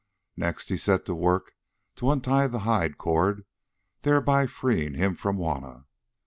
Next he set to work to untie the hide cord, thereby freeing him from Juanna.